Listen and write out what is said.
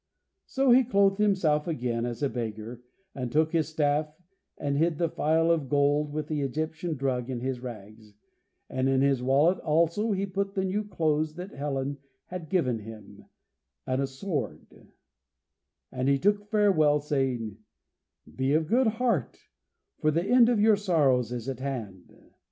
So he clothed himself again as a beggar, and took his staff, and hid the phial of gold with the Egyptian drug in his rags, and in his wallet also he put the new clothes that Helen had given him, and a sword, and he took farewell, saying, "Be of good heart, for the end of your sorrows is at hand.